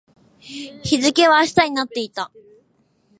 日付は明日になっていた